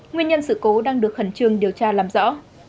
nguyên nhân sự cố đang được khẩn trương điều tra làm rõ